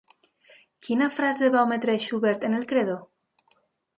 Quina frase va ometre Schubert en el Credo?